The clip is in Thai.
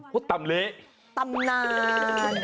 ตำเละตำนาน